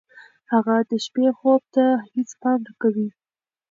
هغه د شپې خوب ته هېڅ پام نه کوي.